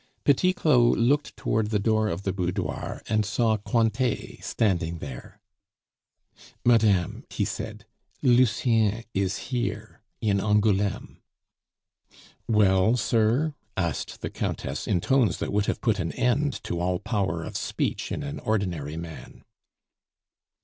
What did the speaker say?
Petit Claud looked toward the door of the boudoir, and saw Cointet standing there. "Madame," he said, "Lucien is here, in Angouleme." "Well, sir?" asked the Countess, in tones that would have put an end to all power of speech in an ordinary man.